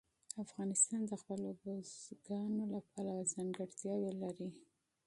افغانستان د خپلو بزګانو له پلوه ځانګړتیاوې لري.